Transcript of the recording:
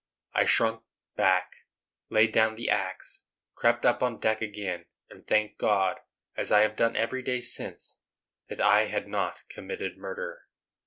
I shrunk back, laid down the axe, crept up on deck again, and thanked God, as I have done every day since, that I had not committed murder.